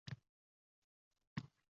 U keyin sirayam qaytib kelmiyman!